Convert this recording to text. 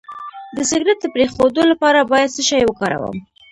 د سګرټ د پرېښودو لپاره باید څه شی وکاروم؟